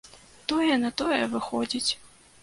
Тое на тое выходзіць.